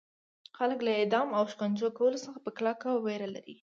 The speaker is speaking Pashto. خلک له اعدام او شکنجه کولو څخه په کلکه ویره لري.